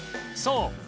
そう。